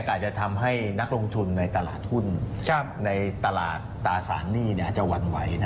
อาจจะทำให้นักลงทุนในตลาดหุ้นในตลาดตราสารหนี้อาจจะหวั่นไหว